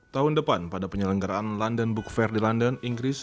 tahun depan pada penyelenggaraan london book fair di london inggris